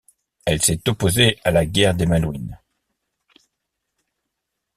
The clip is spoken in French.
Elle s'est opposée à la Guerre des Malouines.